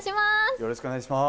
よろしくお願いします